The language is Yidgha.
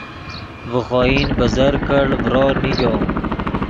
ڤے خوئن بزرگ کڑ ڤرو نیگو